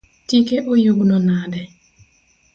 Tike oyugno nade?